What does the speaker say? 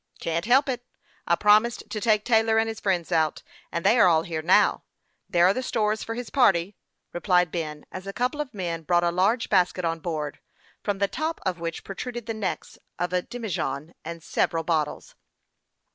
" Can't help it. I promised to take Taylor and his friends out, and they are all here now. There are the stores for his party," replied Ben, as a couple of men brought a large basket on board, from the top of which protruded the necks of a demijohn and several bottles.